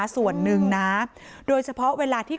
ส่วนหนึ่งนะโดยเฉพาะเวลาที่